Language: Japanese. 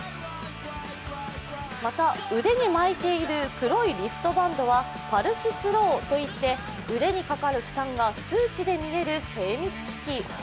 また腕に巻いている黒いリストバンドはパルススローといって腕にかかる負担が数値で見られる精密機器。